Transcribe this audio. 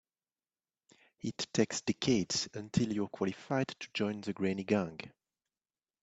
It takes decades until you're qualified to join the granny gang.